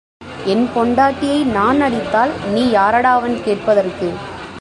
என் பெண்டாட்டியை நான் அடித்தால் நீ யாரடாவன் கேட்பதற்கு?